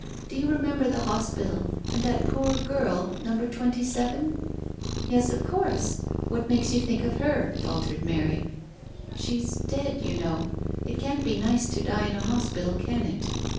"Do you remember the hospital, and that poor girl, Number Twenty seven ?" 260 TUB 8T0RY OF A MODERN WOMAN. § "Yes, of course. What makes you think of her ?" faltered Mary. " She's dead, you know. It can't be nice to die in a hospital, can it